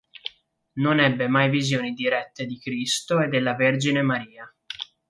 Non ebbe mai visioni dirette di Cristo e della Vergine Maria.